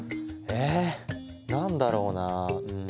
え何だろうなうん。